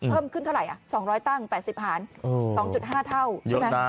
เพิ่มขึ้นเท่าไรอ่ะสองร้อยตั้งแปดสิบหารโอ้สองจุดห้าเท่าใช่ไหม